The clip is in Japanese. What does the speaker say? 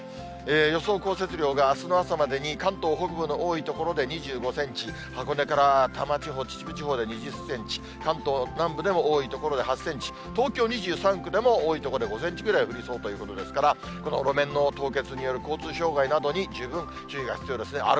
予想降雪量が、あすの朝までに関東北部の多い所で２５センチ、箱根から多摩地方、秩父地方で２０センチ、関東南部でも多い所で８センチ、東京２３区でも多い所で５センチぐらい降りそうということですから、この路面の凍結による交通障害などに十分注意が必要ですね。